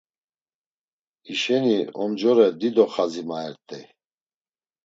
Hişeni Omcore dido xazi maert̆ey.